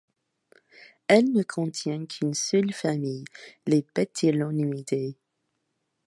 Elle ne contient qu'une seule famille, les Bethylonymidae.